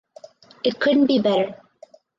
It couldn’t be better.